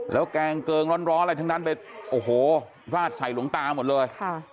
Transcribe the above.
แล้วแกงเกิงร้อนอะไรทั้งนั้นไปโอ้โหราดใส่หลวงตาหมดเลย